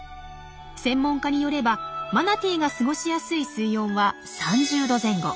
専門家によればマナティーが過ごしやすい水温は３０℃前後。